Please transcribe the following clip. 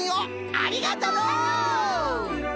ありがとう！